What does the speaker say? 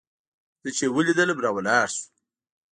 زه چې يې ولېدلم راولاړ سو.